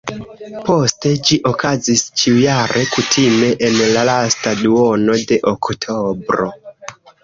Poste ĝi okazis ĉiujare, kutime en la lasta duono de oktobro.